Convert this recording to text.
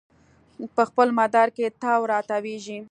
په خپل مدار کې تاو راتاویږي